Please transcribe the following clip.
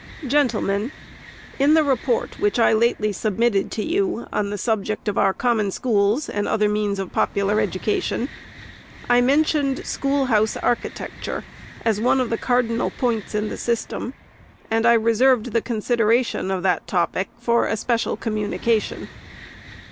Gentlemen, — In the Report, which I lately submitted to you on the subject of our " Common Schools and other means of popular education," I mentioned school house architecture, as one of the cardinal points in the system, and I reserved the consideration of that topic for a special communication.